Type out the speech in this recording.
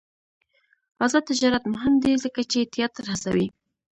آزاد تجارت مهم دی ځکه چې تیاتر هڅوي.